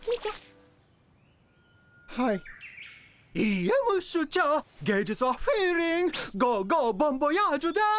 いいえムッシュチャー芸術はフィーリングゴーゴーボンボヤージュです。